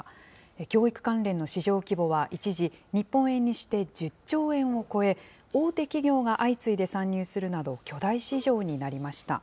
教育関連の市場規模は一時、日本円にして１０兆円を超え、大手企業が相次いで参入するなど、巨大市場になりました。